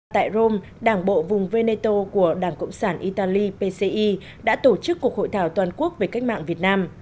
tại rome đảng bộ vùng venezo của đảng cộng sản italy pci đã tổ chức cuộc hội thảo toàn quốc về cách mạng việt nam